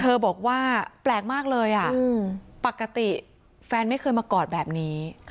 บอกว่าแปลกมากเลยปกติแฟนไม่เคยมากอดแบบนี้